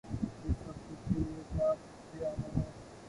اس سب کچھ کے لیے کیا بیانیہ ہے۔